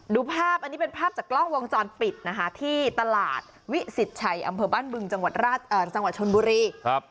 ดูภาพอันนี้เป็นภาพจากกล้องวงจรปิดนะคะที่ตลาดวิสิตชัยอำเภอบ้านบึงจังหวัดชนบุรี